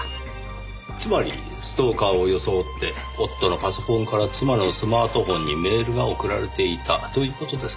つまりストーカーを装って夫のパソコンから妻のスマートフォンにメールが送られていたという事ですか。